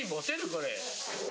これ。